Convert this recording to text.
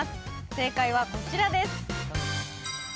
正解はこちらです！